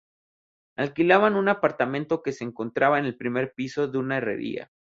Alquilaban un apartamento que se encontraba en el primer piso de una herrería.